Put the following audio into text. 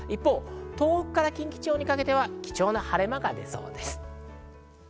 東北から近畿地方にかけては貴重な晴れ間が出そうです。